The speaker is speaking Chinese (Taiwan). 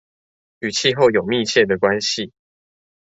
與氣候有密切的關係